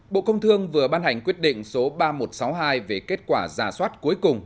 bộ công thương vừa ban hành quyết định số ba nghìn một trăm sáu mươi hai về kết quả giả soát cuối cùng